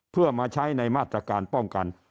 เพื่อมาใช้ในมาตรการป้องกัน